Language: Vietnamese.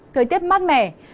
thời tiết mát mẻ